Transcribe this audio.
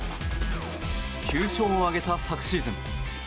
９勝を挙げた昨シーズン。